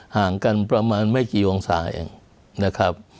ห่างกันประมาณไม่กี่องศาเองนะครับ